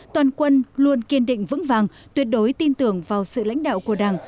toàn quân luôn kiên định vững vàng tuyệt đối tin tưởng vào sự lãnh đạo của đảng